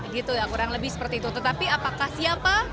gitu ya kurang lebih seperti itu tetapi apakah siapa